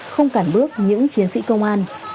không cản bước những chiến sĩ công an